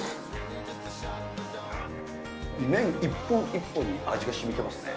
麺一本一本に味がしみてますね。